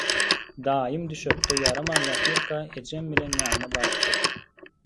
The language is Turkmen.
Daýym düşekde ýaraman ýatyrka ejem bilen ýanyna barypdyk.